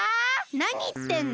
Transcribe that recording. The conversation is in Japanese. なにいってんの！？